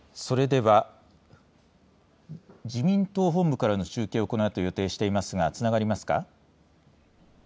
それでは自民党本部からの中継を行うと予定してますがつながりますか。